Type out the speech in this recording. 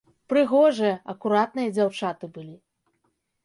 Прыгожыя, акуратныя дзяўчаты былі.